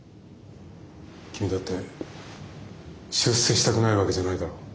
君だって出世したくないわけじゃないだろう。